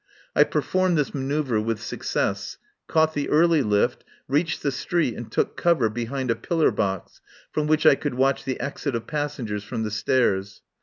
I performed this manoeuvre with success, caught the early lift, reached the street and took cover behind a pillar box from which I could watch the exit of passengers from the stairs.